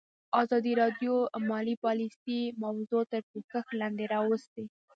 ازادي راډیو د مالي پالیسي موضوع تر پوښښ لاندې راوستې.